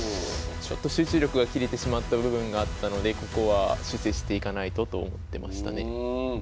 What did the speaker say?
ちょっと集中力が切れてしまった部分があったのでここは修正していかないとと思ってましたね。